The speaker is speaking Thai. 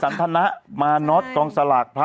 ศรัทนามาน็อตกองสลัก